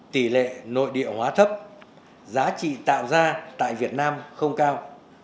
tỷ lệ nội địa hóa thấp giá trị tạo ra tại việt nam không cao